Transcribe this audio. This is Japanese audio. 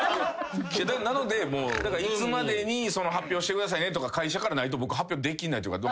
なので「いつまでに発表してくださいね」とか会社からないと僕発表できないっていうか